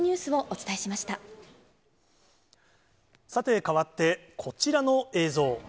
さて、変わってこちらの映像。